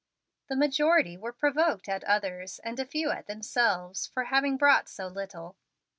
The majority were provoked at others, and a few at themselves, for having brought so little.